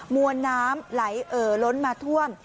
มวลน้ำไหลเอ่อล้นมาท่วม